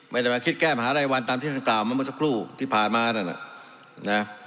ไม่ได้มาคิดแก้มหารายวันตามที่ท่านกล่าวมาเมื่อสักครู่ที่ผ่านมานั่นน่ะนะ